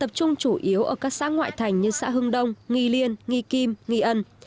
tập trung chủ yếu ở các xã ngoại thành như xã hưng đông nghi liên nghi kim nghi ân